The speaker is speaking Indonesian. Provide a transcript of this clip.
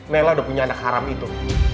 mela udah punya anak haram itu